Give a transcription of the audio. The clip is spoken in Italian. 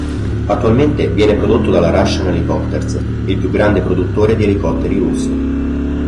Attualmente viene prodotto dalla Russian Helicopters, il più grande produttore di elicotteri russo.